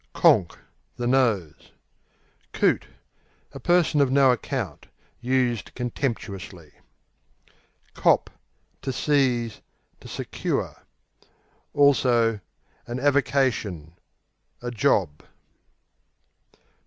Conk The nose. Coot A person of no account (used contemptuously). Cop To seize; to secure; also s. An avocation, a "job."